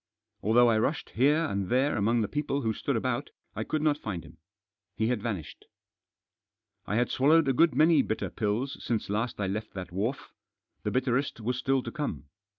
Although I rushed here and there among the people who stood about I could not find him. He had vanished. I had swallowed a good many bitter pills since last I left that wharf — the bitterest was still to come.